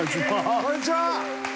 こんにちは！